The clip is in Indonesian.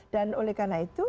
dan oleh karena itu